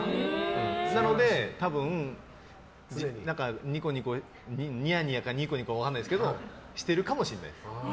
なので、多分ニコニコかニヤニヤか分からないですけどしてるかもしれないです。